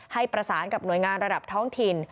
ให้ประสานกับหน่วยงานระดับท้องถิ่น